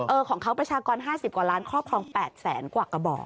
ของเขาประชากร๕๐กว่าล้านครอบครอง๘แสนกว่ากระบอก